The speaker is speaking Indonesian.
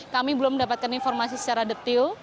kami belum mendapatkan informasi secara detil